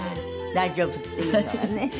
大丈夫っていうのがね。